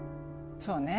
そうね